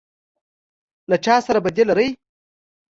_ له چا سره بدي لری؟